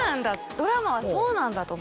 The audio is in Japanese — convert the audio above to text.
そうなんだ。